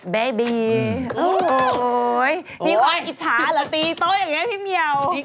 ไม้บีโอ้โหนี่ตัวกลีบจ้าเหรอตีเต๊ะอย่างไรพี่เมียว